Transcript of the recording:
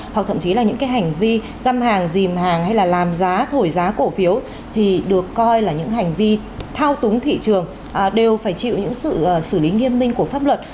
hoặc thậm chí là những cái hành vi găm hàng dìm hàng hay là làm giá thổi giá cổ phiếu thì được coi là những hành vi thao túng thị trường đều phải chịu những sự xử lý nghiêm minh của pháp luật